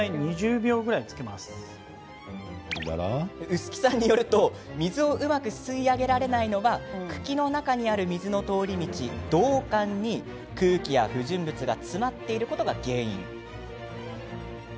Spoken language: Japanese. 薄木さんによれば水をうまく吸い上げられないのは茎の中にある水の通り道、導管に空気や不純物が詰まっていることが原因。